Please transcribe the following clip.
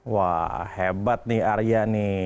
wah hebat nih arya nih